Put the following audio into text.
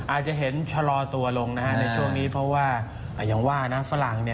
อาจจะเห็นชะลอตัวลงในช่วงนี้เพราะว่าอย่างว่านะฝรั่ง